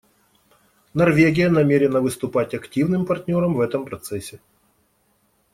Норвегия намерена выступать активным партнером в этом процессе.